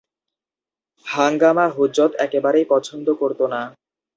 হাঙ্গামা-হুজ্জত একেবারেই পছন্দ করতো না।